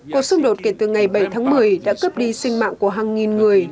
cuộc xung đột kể từ ngày bảy tháng một mươi đã cướp đi sinh mạng của hàng nghìn người